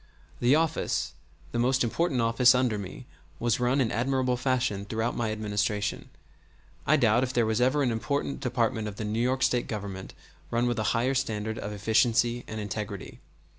The office, the most important office under me, was run in admirable fashion throughout my Administration; I doubt if there ever was an important department of the New York State Government run with a higher standard of efficiency and integrity.